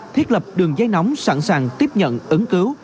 thiết lập đường dây nóng sẵn sàng tiếp nhận ứng cứu